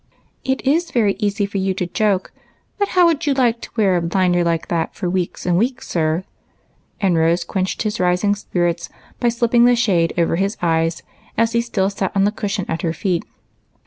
"It is very easy for you to joke, but how would you like to wear a blinder like that for weeks and weeks, sir?" and Rose quenched his rising spirits by slipping the shade over his eyes, as he still sat on the cushion at her feet.